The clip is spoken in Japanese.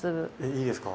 いいですか？